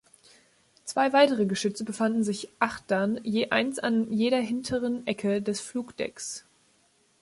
Zwei weitere Geschütze befanden sich achtern, je eins an jeder hinteren Ecke des Flugdecks.